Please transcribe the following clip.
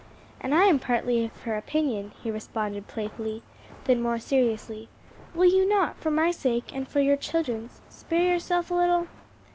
"And I am partly of her opinion," he responded playfully; then more seriously, "will you not, for my sake and for your children's, spare yourself a little."